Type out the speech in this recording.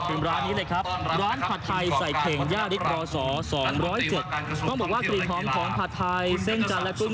หรือว่าจะไปเดินช็อปทิมทิวที่สนุนคนเดินกับวิธีไทยมหาวิทยุค